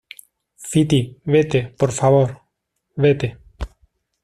Fiti, vete, por favor. vete.